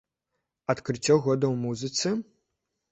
Адкрыццё года ў музыцы?